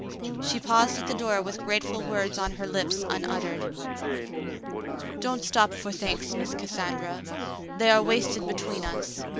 She paused at the door with grateful words on her lips unuttered. "Don't stop for thanks. Miss Cassandra; they are wasted between us.